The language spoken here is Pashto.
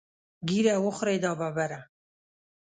ږیره وخورې دا ببره.